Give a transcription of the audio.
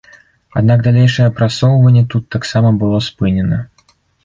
Аднак далейшае прасоўванне тут таксама было спынена.